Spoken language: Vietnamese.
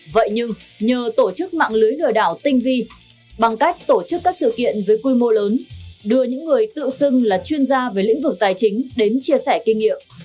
vậy nhưng nhờ tổ chức mạng lưới lừa đảo tinh vi bằng cách tổ chức các sự kiện với quy mô lớn đưa những người tự xưng là chuyên gia về lĩnh vực tài chính đến chia sẻ kinh nghiệm